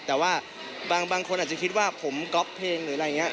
แต่ว่าบางคนอาจจะคิดว่าผมก๊อปเพลงหรืออะไรอย่างนี้